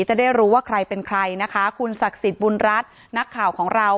จะได้รู้ว่าใครเป็นใครนะคะคุณศักดิ์สิทธิ์บุญรัฐนักข่าวของเรา